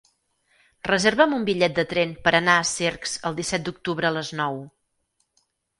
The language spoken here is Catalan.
Reserva'm un bitllet de tren per anar a Cercs el disset d'octubre a les nou.